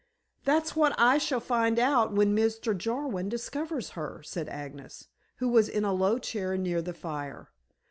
"That's what I shall find out when Mr. Jarwin discovers her," said Agnes, who was in a low chair near the fire.